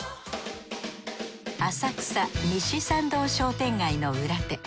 浅草西参道商店街の裏手。